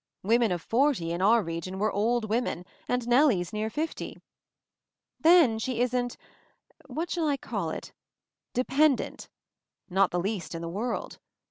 Women of forty, in our region, were old women, and Nellie's near fifty! Then she isn't — what shall I call it — de pendent; not the least in the world.